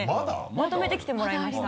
まとめてきてもらいまいした。